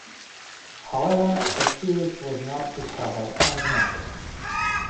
However, the series was not picked up by any network.